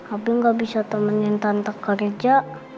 abi gak bisa temenin tante kerja